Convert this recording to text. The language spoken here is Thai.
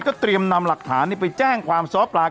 คือต้องตามตรวจภารนี้ไปแจ้งความซ้อมธรรมาก